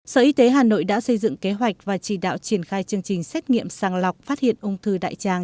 sở y tế hà nội đã xây dựng kế hoạch và chỉ đạo triển khai chương trình xét nghiệm sàng lọc phát hiện ung thư đại tràng